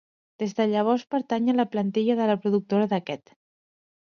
Des de llavors pertany a la plantilla de la productora d'aquest: